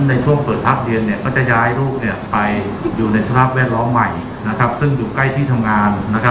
ในช่วงเปิดพักเรียนก็จะย้ายลูกไปอยู่ในสภาพแวดล้อมใหม่ซึ่งอยู่ใกล้ที่ทำงาน